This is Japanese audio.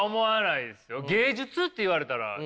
芸術って言われたら。